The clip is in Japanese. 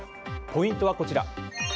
ポイントはこちら。